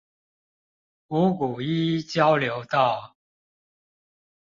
五股一交流道